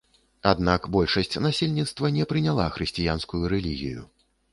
Аднак большасць насельніцтва не прыняла хрысціянскую рэлігію.